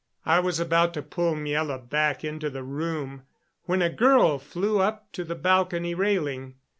I was about to pull Miela back into the room when a girl flew up to the balcony railing.